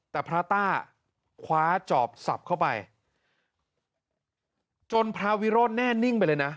แต่พระต้าคว้าจอบสับเข้าไปจนพระวิโรธแน่นิ่งไปเลยนะ